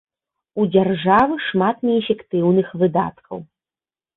У дзяржавы шмат неэфектыўных выдаткаў.